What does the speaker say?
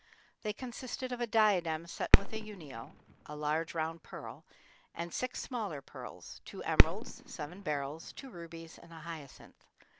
They consisted of a diadem set with a "unio" (a large round pearl) and six smaller pearls, two emeralds, seven beryls, two rubies, and a hyacinth.